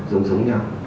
giống giống nhau